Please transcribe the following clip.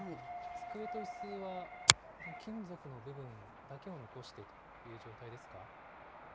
机といすは、金属の部分だけを残してという状態ですか？